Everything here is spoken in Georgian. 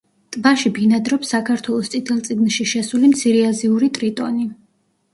ტბაში ბინადრობს საქართველოს წითელ წიგნში შესული მცირეაზიური ტრიტონი.